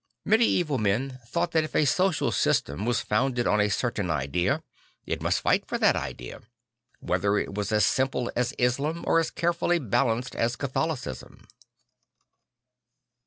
Medieval men The Mirror of Christ 145 thought that if a social system was founded on a certain idea it must fight for that idea, whether it was as simple as Islam or as carefully balanced as Catholicism.